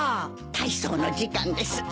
体操の時間です。